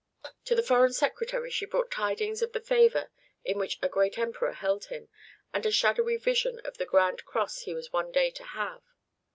To the foreign secretary she brought tidings of the favor in which a great Emperor held him, and a shadowy vision of the grand cross he was one day to have.